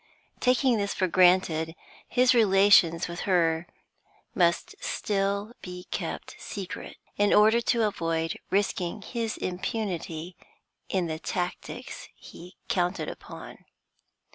Taking this for granted, his relations with her must still be kept secret in order to avoid risking his impunity in the tactics he counted upon.